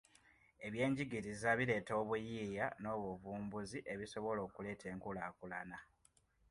Eby'enjigiriza bireeta obuyiiya n'obuvumbuzi ebisobola okuleeta enkulaakulana.